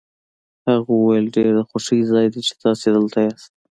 هغه وویل ډېر د خوښۍ ځای دی چې تاسي دلته یاست.